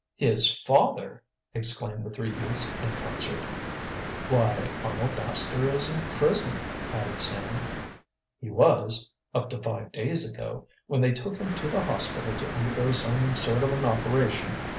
"His father!" exclaimed the three youths in concert. "Why, Arnold Baxter is in prison," added Sam. "He was, up to five days ago, when they took him to the hospital to undergo some sort of an operation.